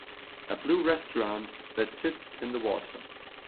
A blue restaurant that sits in the water.